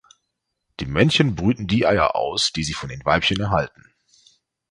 Die Männchen brüten die Eier aus, die sie von den Weibchen erhalten.